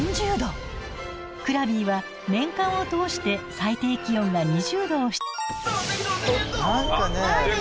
クラビは年間を通して最低気温が２０度を。